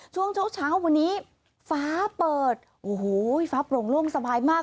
ช่วงเช้าวันนี้ฟ้าเปิดโอ้โหฟ้าปลงล่วงสบายมากเลย